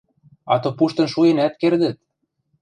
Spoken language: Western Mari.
– Ато пуштын шуэнӓт кердӹт!